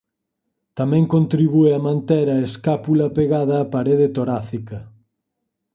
Tamén contribúe a manter a escápula pegada á parede torácica.